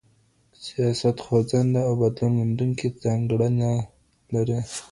سياست خوځنده او بدلون موندونکې ځانګړنه لري.